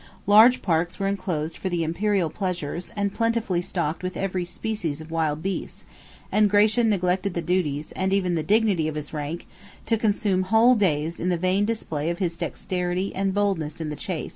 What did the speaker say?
Large parks were enclosed for the Imperial pleasures, and plentifully stocked with every species of wild beasts; and Gratian neglected the duties, and even the dignity, of his rank, to consume whole days in the vain display of his dexterity and boldness in the chase.